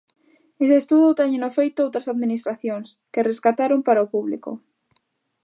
Ese estudo téñeno feito outras administracións que rescataron para o público.